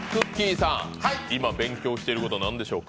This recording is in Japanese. さん、今勉強してること何でしょうか。